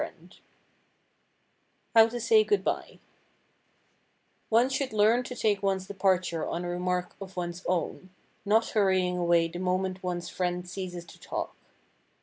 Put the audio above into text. [Sidenote: HOW TO SAY GOOD BY] One should learn to take one's departure on a remark of one's own, not hurrying away the moment one's friend ceases to talk.